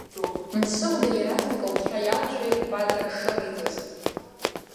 Мсыгәда иаразнак лцәа иалашәеит, Бадра ак шыҟаиҵаз.